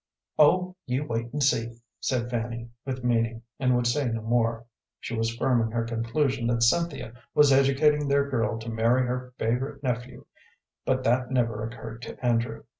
"Oh, you wait and see," said Fanny, with meaning, and would say no more. She was firm in her conclusion that Cynthia was educating their girl to marry her favorite nephew, but that never occurred to Andrew.